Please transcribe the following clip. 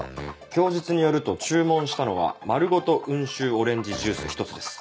供述によると注文したのは「まるごと温州オレンジジュース」１つです。